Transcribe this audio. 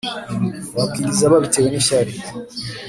babwiriza babitewe n ishyari